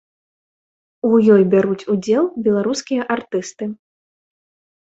У ёй бяруць удзел беларускія артысты.